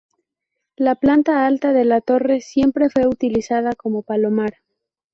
La planta alta de la torre siempre fue utilizada como palomar.